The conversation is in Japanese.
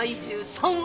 ３割？